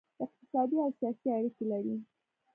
اقتصادي او سیاسي اړیکې لري